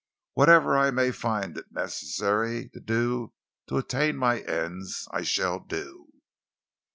Whatever I may find it necessary to do to attain my ends, I shall do."